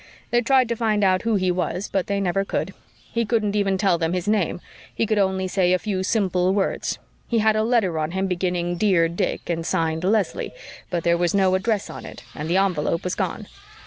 They tried to find out who he was but they never could. He couldn't even tell them his name he could only say a few simple words. He had a letter on him beginning 'Dear Dick' and signed 'Leslie,' but there was no address on it and the envelope was gone.